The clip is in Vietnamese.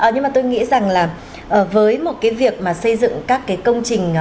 nhưng mà tôi nghĩ rằng là với một cái việc mà xây dựng các cái công trình